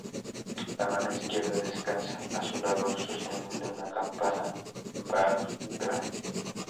La mano izquierda descansa a su lado, sosteniendo una campana-vajra.